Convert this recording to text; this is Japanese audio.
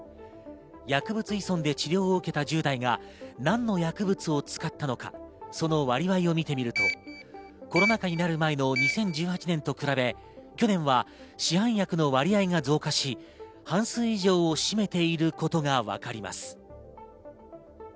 薬物依存で治療を受けた１０代が何の薬物を使ったのか、その割合を見てみるとコロナ禍になる前の２０１８年と比べ去年は市販薬の割合が増加し、半数以上を占めていることがわかります。